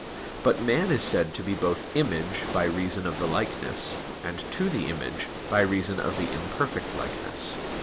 But man is said to be both "image" by reason of the likeness; and "to the image" by reason of the imperfect likeness.